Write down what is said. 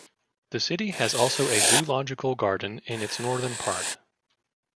The city has also a zoological garden in its northern part.